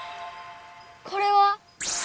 これは。